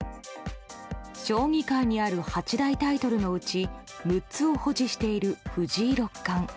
将棋界にある八大タイトルのうち６つを保持している藤井六冠。